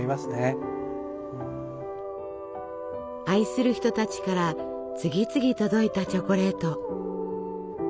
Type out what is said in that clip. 愛する人たちから次々届いたチョコレート。